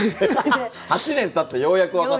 ８年たってようやく分かった？